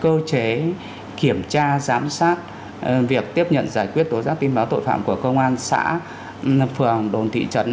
cơ chế kiểm tra giám sát việc tiếp nhận giải quyết tố giác tin báo tội phạm của công an xã phường đồn thị trấn